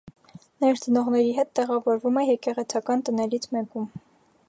Նա իր ծնողների հետ տեղավորվում է եկեղեցական տներից մեկում։